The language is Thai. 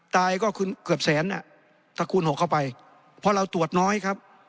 ตายก็คือเกือบแสนอ่ะถ้าคูณหกเข้าไปเพราะเราตรวจน้อยครับ